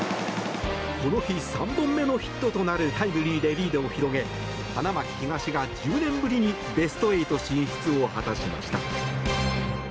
この日３本目のヒットとなるタイムリーで、リードを広げ花巻東が１０年ぶりにベスト８進出を果たしました。